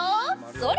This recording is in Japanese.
それ！